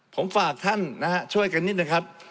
ผมฝากท่านนะฮะช่วยกันนิดนึงครับ